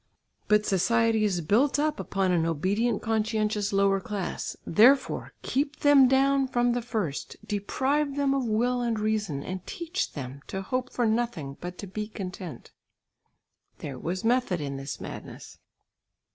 But society is built up upon an obedient conscientious lower class; therefore keep them down from the first; deprive them of will and reason, and teach them to hope for nothing but to be content." There was method in this madness.